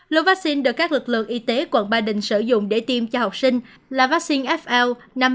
lộ vắc xin được các lực lượng y tế quận ba đình sử dụng để tiêm cho học sinh là vắc xin fl năm nghìn ba trăm ba mươi ba